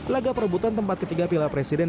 laga perebutan tempat ketiga piala presiden